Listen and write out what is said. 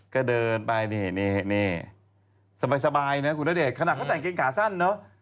ก็เดินไปนี่สบายนะคุณณเดชน์ขนาดเขาใส่เกงขาสั้นเนอะ